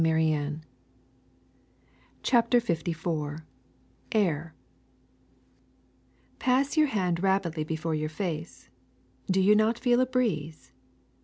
ii p CHAPTER LIV AIR ASS your hand rapidly before your face. Do you not feel a breeze!